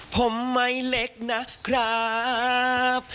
ผมไม่เล็กนะครับ